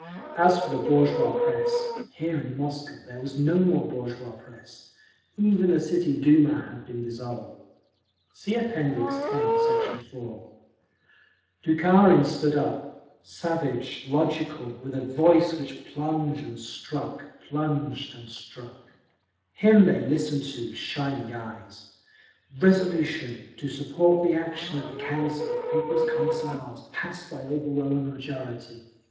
As for the bourgeois press, here in Moscow there was no more bourgeois press; even the City Duma had been dissolved. (See App. X, Sect. 4) Bukharin stood up, savage, logical, with a voice which plunged and struck, plunged and struck…. Him they listened to with shining eyes. Resolution, to support the action of the Council of People's Commissars, passed by overwhelming majority.